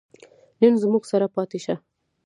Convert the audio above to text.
نن زموږ سره پاتې شه